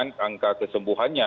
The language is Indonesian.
di bawah angka kesembuhan